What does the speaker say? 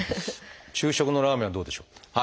昼食のラーメンはどうでしょう？